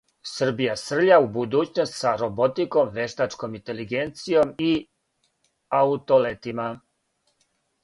Србија срља у будућност са роботиком, вештачком интелигенцијом и Аутолетима!